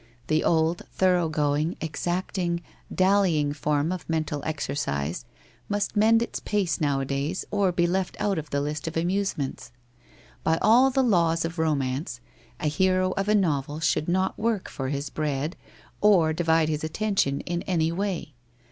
The old, thorough going, exact ing, dallying form of mental exercise must mend its pace nowadays or be left out of the list of amusements. By all the laws of romance, a hero of a novel should not work for his bread, or divide his attention in any way.